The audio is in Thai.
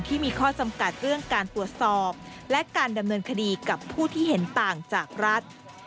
ที่มีข้อจำกัดเรื่องการตรวจสอบและการดำเนินคดีกับผู้ที่เห็นต่างจากรัฐ